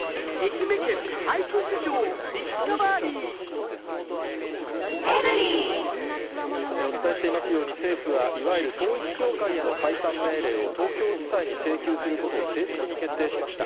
「ミノンアミノモイスト」お伝えしていますように、政府はいわゆる統一教会への解散命令を東京地裁に請求することを正式に決定しました。